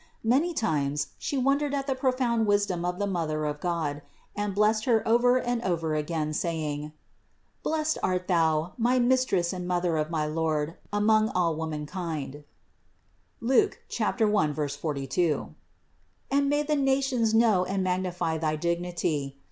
Many times she wondered at the profound wisdom of the Mother of God, and blessed Her over and over again, saying: "Blessed art Thou, my Mistress and Mother of my Lord, among all womankind (Luke 1, 42) ; and may the nations know and magnify thy dignity.